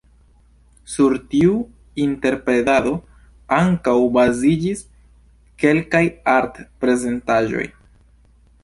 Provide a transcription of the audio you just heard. Sur tiu interpretado ankaŭ baziĝis kelkaj art-prezentaĵoj.